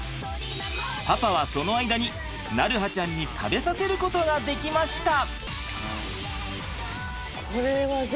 パパはその間に鳴映ちゃんに食べさせることができました。